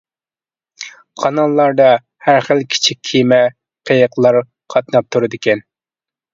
قاناللاردا ھەر خىل كىچىك كېمە، قېيىقلار قاتناپ تۇرىدىكەن.